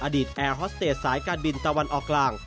แอร์ฮอสเตจสายการบินตะวันออกกลาง